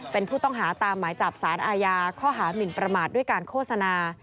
เป็นผู้ต้องหาตามหมายจับสารอาญาข้อหามินประมาทด้วยการโฆษณา